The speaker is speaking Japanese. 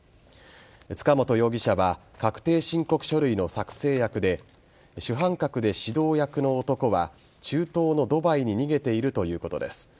塚本容疑者は確定申告書類の作成役で主犯格で指導役の男は中東のドバイに逃げているということです。